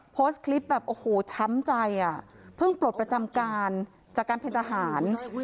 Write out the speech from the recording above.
โพสต์คลิปแบบโอ้โหช้ำใจอ่ะเพิ่งปลดประจำการจากการเป็นทหาร